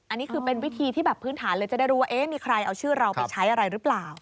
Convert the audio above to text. อันนี้คือเป็นวิธีที่แบบพื้นฐานเลยจะได้รู้ว่ามีใครเอาชื่อเราไปใช้อะไรหรือเปล่า